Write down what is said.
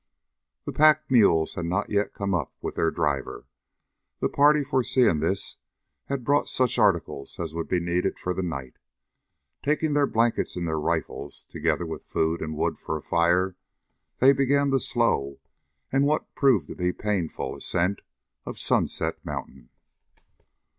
The pack mules had not yet come up with their driver. The party foreseeing this, had brought such articles as would be needed for the night. Taking their blankets and their rifles, together with food and wood for a fire, they began the slow, and what proved to be painful, ascent of Sunset Mountain.